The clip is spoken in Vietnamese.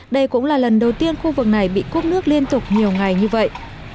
đây cũng là lần đầu tiên khu vực này bị cốt nước liên tục nhiều ngày như vậy